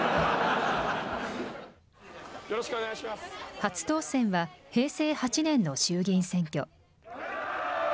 初当選は平成８年の衆議院選挙。